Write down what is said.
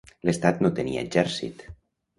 L'estat no tenia exèrcit.